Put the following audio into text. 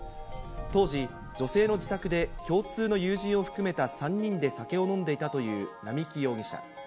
当時、女性の自宅で共通の友人を含めた３人で酒を飲んでいたという並木容疑者。